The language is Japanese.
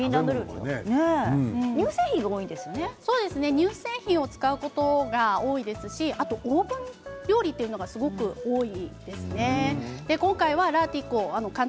乳製品を使うことが多いですしオーブン料理がすごく多いですね。